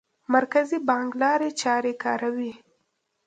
مرکزي بانک لارې چارې کاروي.